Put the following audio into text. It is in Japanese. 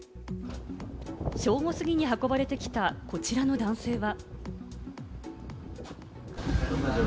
正午過ぎに運ばれてきたこちらの男性は。